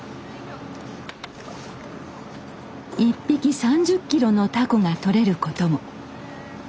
１匹３０ｋｇのタコが取れることも。